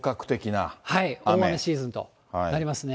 大雨シーズンとなりますね。